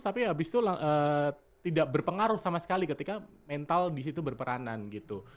tapi habis itu tidak berpengaruh sama sekali ketika mental di situ berperanan gitu